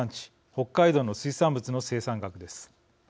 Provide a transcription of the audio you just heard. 北海道の水産物の生産額です。